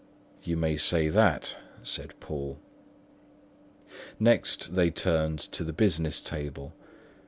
"You may say that!" said Poole. Next they turned to the business table.